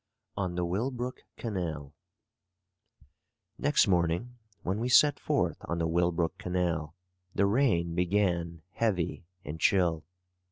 ON THE WILLEBROEK CANAL NEXT morning, when we set forth on the Willebroek Canal, the rain began heavy and chill.